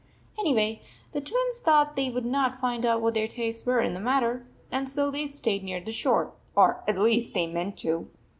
Anyway, the Twins thought they would not find out what their tastes were in the matter, and so they stayed near the shore, or at least they meant to.